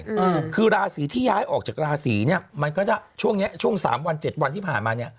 ราศีทั้งใหญ่คือราศีที่ย้ายออกจากราศีเนี่ยมันก็จะช่วงนี้ช่วง๓วัน๗วันที่ผ่านมาเนี่ย